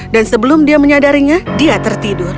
dan sebelum dia menyadarinya dia tertidur